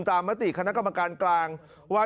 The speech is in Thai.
มติคณะกรรมการกลางว่า